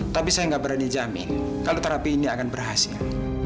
tapi saya nggak berani jamin kalau terapi ini akan berhasil